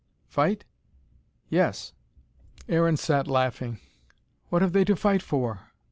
"Fight?" "Yes." Aaron sat laughing. "What have they to fight for?"